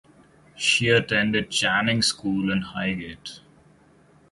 She attended Channing School in Highgate.